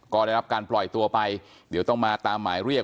ก็ได้รับการปล่อยตัวไปเดี๋ยวต้องมาตามหมายเรียก